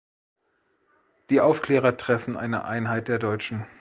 Die Aufklärer treffen eine Einheit der Deutschen.